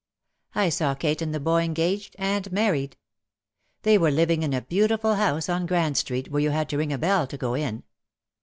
I saw Kate and the boy engaged and married. They were living in a beautiful house on Grand Street where you had to ring a bell to go in.